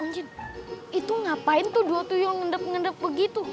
anjir itu ngapain tuh dua tuyul ngendap ngendap begitu